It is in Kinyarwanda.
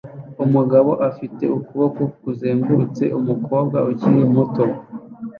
Umugabo ufite ukuboko kuzengurutse umukobwa ukiri muto